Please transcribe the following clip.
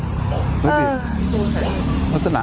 เหมือนคุณเหรอเหมือนคุณเหรอเหมือนคุณเหรอ